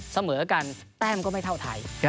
เสมอกันแต้มก็ไม่เท่าไทย